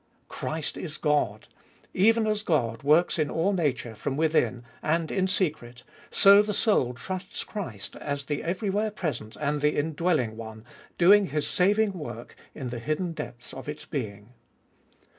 Christ is God: even as God works in all nature from within, and in secret, so the soul trusts Christ as the everywhere present and the Indwelling One, doing His saving work in the hidden depths of its being.